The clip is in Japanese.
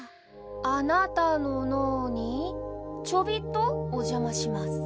あなたの脳にちょびっとお邪魔します。